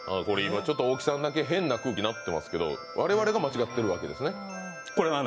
大木さんだけ変な空気になってますけど我々が間違っているわけですね？